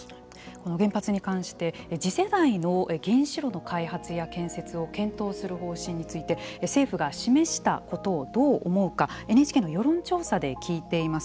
この原発に関して次世代の原子炉の開発や建設を検討する方針について政府が示したことをどう思うかＮＨＫの世論調査で聞いています。